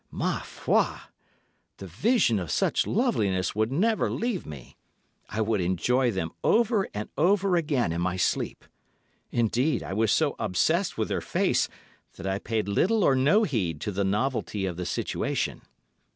Ma foi! The vision of such loveliness would never leave me. I would enjoy them over and over again in my sleep. Indeed, I was so obsessed with her face that I paid little or no heed to the novelty of the situation.